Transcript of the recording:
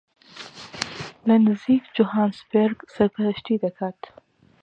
لە نزیک جۆهانسبێرگ سەرپەرشتی دەکات